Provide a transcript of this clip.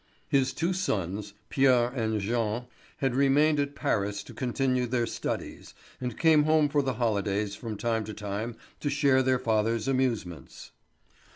His two sons, Pierre and Jean, had remained at Paris to continue their studies, and came for the holidays from time to time to share their father's amusements.